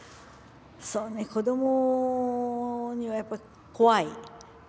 そうね子どもにはやっぱり怖い。